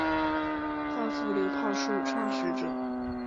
稻富流炮术创始者。